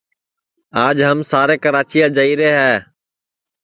آج ہم سارے کراچیا جائیرے ہے